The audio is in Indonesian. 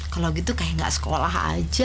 kalau gitu kayak nggak sekolah aja